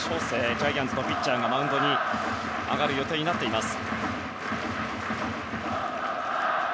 ジャイアンツのピッチャーがマウンドに上がる予定になっています。